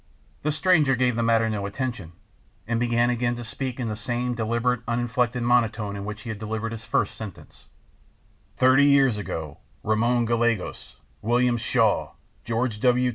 The stranger gave the matter no attention and began again to speak in the same deliberate, uninflected monotone in which he had delivered his first sentence: "Thirty years ago Ramon Gallegos, William Shaw, George W.